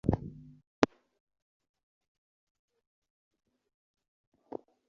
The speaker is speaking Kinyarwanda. ingingo ya mbere umutungo w ishuri